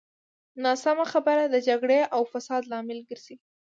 ناسمه خبره د جګړې او فساد لامل ګرځي.